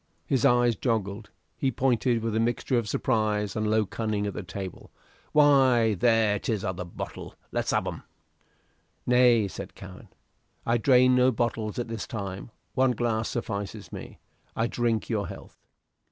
His eyes joggled; he pointed with a mixture of surprise and low cunning at the table. "Why, there is t'other bo'l! Let's have'm." "Nay," said Cowen, "I drain no bottles at this time; one glass suffices me. I drink your health."